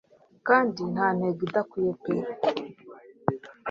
Kandi nta ntego idakwiye pe